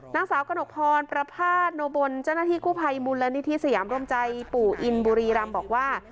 นางสาวกระหนกพรประพาทโนบลเจ้าหน้าที่กู้ภัยมูลนิธิสยามรมใจปู่อินบุรีรำบอกว่า